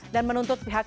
dan menuntut pihak kkn